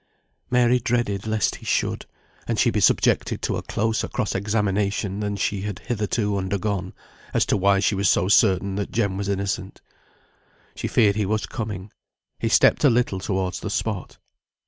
Mary dreaded lest he should, and she be subjected to a closer cross examination than she had hitherto undergone, as to why she was so certain that Jem was innocent. She feared he was coming; he stepped a little towards the spot.